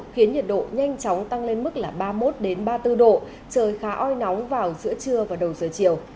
khiến nhiệt độ nhanh chóng tăng lên mức là ba mươi một ba mươi bốn độ trời khá oi nóng vào giữa trưa và đầu giờ chiều